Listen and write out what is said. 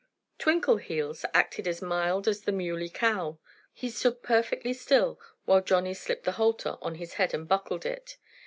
Twinkleheels acted as mild as the Muley Cow. He stood perfectly still while Johnnie slipped the halter on his head and buckled it.